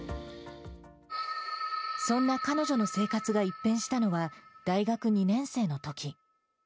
そんな彼女の生活が一変したのは、大学２年生のとき。